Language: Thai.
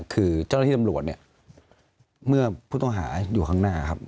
คือเจ้าหน้าที่ตำรวจเนี่ยเมื่อผู้ต้องหาอยู่ข้างหน้าครับ